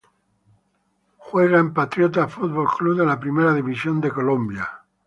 Jugó en Patriotas Fútbol Club de la Primera División de Colombia.